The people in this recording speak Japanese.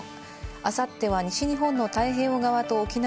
明後日は西日本の太平洋側と沖縄